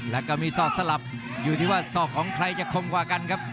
แล้วก็มีศอกสลับอยู่ที่ว่าศอกของใครจะคมกว่ากันครับ